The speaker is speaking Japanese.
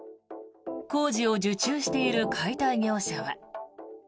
工事を受注している解体業者は。